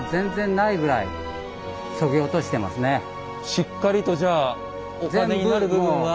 しっかりとじゃあお金になる部分は。